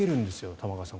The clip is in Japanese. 玉川さん。